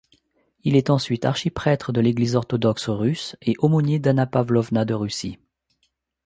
Il est ensuite archiprêtre de l'Église orthodoxe russe et aumônier d'Anna Pavlovna de Russie.